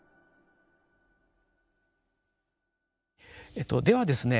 えっとではですね